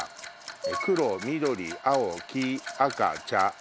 黒緑青黄赤茶。